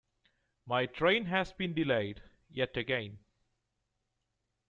My train has been delayed yet again.